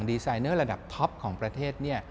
ดีไซเนอร์ระดับท็อปของประเทศ